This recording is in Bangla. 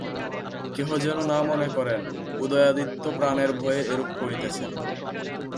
কেহ যেন না মনে করেন, উদয়াদিত্য প্রাণের ভয়ে এরূপ করিতেছেন।